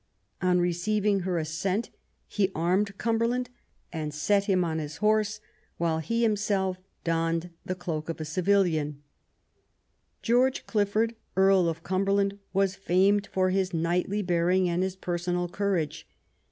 On receiving her assent he armed Cumberland and set him on his horse, while he himself donned the cloak of a civilian. THE NEW ENGLAND. 247 George Clifford, Earl of Cumberland, was famed for his knightly bearing and his personal courage.